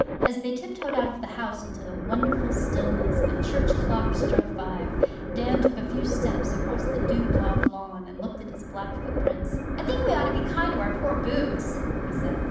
As they tiptoed out of the house into the wonderful stillness, the church clock struck five. Dan took a few steps across the dew blobbed lawn, and looked at his black footprints. 'I think we ought to be kind to our poor boots,' he said.